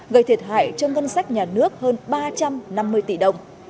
gây thiệt hại cho ngân sách nhà nước hơn ba trăm năm mươi tỷ đồng